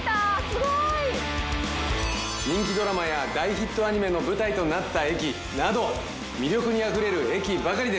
すごい！人気ドラマや大ヒットアニメの舞台となった駅など魅力にあふれる駅ばかりです。